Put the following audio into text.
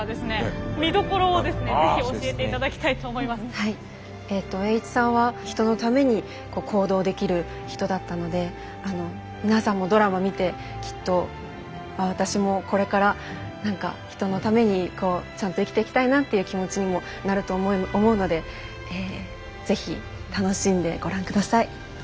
はい栄一さんは人のために行動できる人だったので皆さんもドラマ見てきっとあっ私もこれから何か人のためにこうちゃんと生きていきたいなっていう気持ちにもなると思うので是非楽しんでご覧ください。